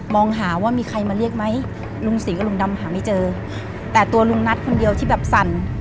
หาว่ามีใครมาเรียกไหมลุงศรีกับลุงดำหาไม่เจอแต่ตัวลุงนัทคนเดียวที่แบบสั่น